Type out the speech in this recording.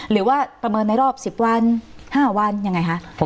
หรือว่าประเมินในรอบ๑๐วัน๕วันยังไงคะ